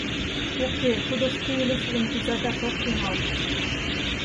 Уке, тудо шке илышыжым тӱзаташ ок тӱҥал.